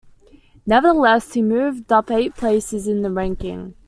Nevertheless, he moved up eight places in the ranking.